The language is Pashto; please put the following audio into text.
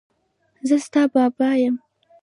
زه ستا بابا یم.